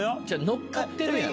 のっかってるやん。